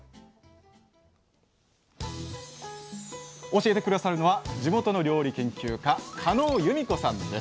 教えて下さるのは地元の料理研究家カノウユミコさんです